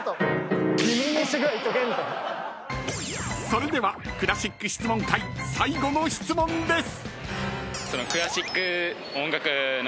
［それではクラシック質問会最後の質問です］